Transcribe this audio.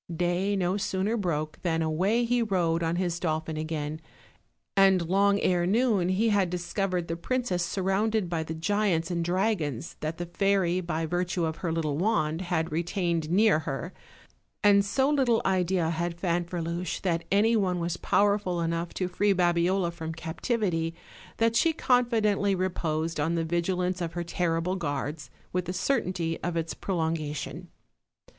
Day no sooner broke than away he rode on his dolphin again, and long ere noon he had discovered the princess surrounded by the giants and dragons that the fairy, by virtue of her little wand, had retained near her; and so little idea had Fanferluche that any one was powerful enough to free Babiola from captivity that she confi dently reposed on the vigilance of her terrible guards, with the certainty of its prolongation.